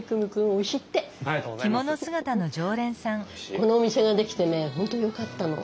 このお店が出来てね本当よかったの。